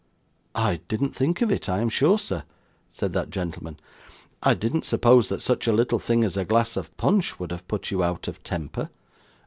'I didn't think of it, I am sure, sir,' said that gentleman. 'I didn't suppose that such a little thing as a glass of punch would have put you out of temper.